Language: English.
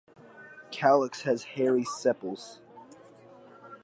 Calyx has hairy sepals.